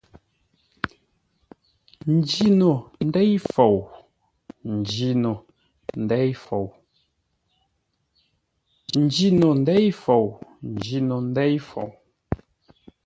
Njî no ndêi fou, n njîno ndêi fou njî no ndêi fou, n njî no ndêi fou.